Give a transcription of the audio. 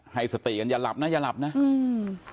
ให้สติอย่างงั้นอย่าหลับนะอย่าหลับนะ